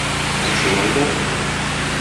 Ә шулай да...